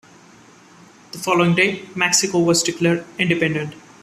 The following day Mexico was declared independent.